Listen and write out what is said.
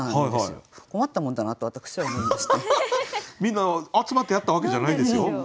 皆集まってやったわけじゃないですよ。